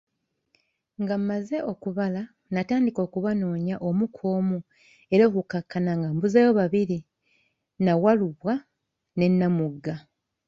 Nga mmaze okubala natandika okubanoonya omu ku omu era okukakana nga mbuzaayo babiri, Nnawalubwa ne Namugga.